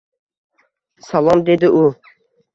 — Salom, — dedi u.